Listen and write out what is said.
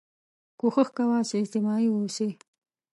کوښښ کوه چې اجتماعي واوسې